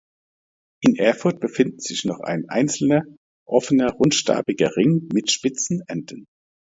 In Erfurt befindet sich noch ein einzelner offener rundstabiger Ring mit spitzen Enden.